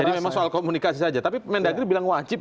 jadi memang soal komunikasi saja tapi mendagri bilang wajib